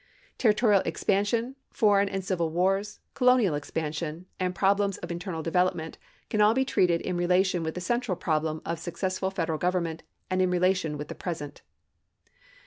Territorial expansion, foreign and civil wars, colonial expansion and problems of internal development can all be treated in relation with the central problem of successful federal government and in relation with the present.